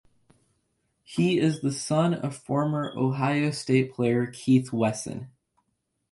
He is the son of former Ohio State player Keith Wesson.